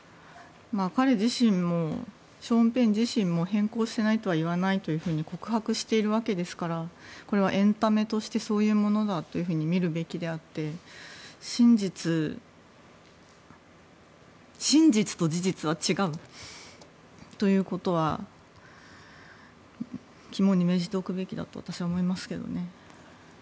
彼自身もショーン・ペン自身も偏向していないとは言わないと告白しているわけですからこれはエンタメとしてそういうものだというふうに見るべきであって真実と事実は違うということは肝に銘じておくべきだと私は思いますけどね。